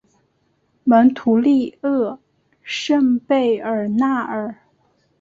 蒙图利厄圣贝尔纳尔。